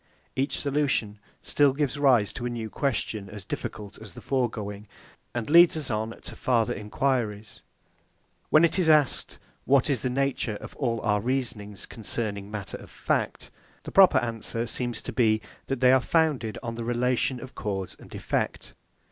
Each solution still gives rise to a new question as difficult as the foregoing, and leads us on to farther enquiries. When it is asked, What is the nature of all our reasonings concerning matter of fact? the proper answer seems to be, that they are founded on the relation of cause and effect.